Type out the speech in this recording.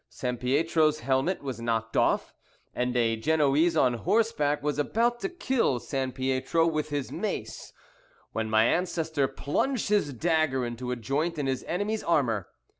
Sampietro's helmet was knocked off, and a Genoese on horseback was about to kill Sampietro with his mace when my ancestor plunged his dagger into a joint in his enemy's armour.